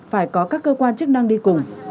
phải có các cơ quan chức năng đi cùng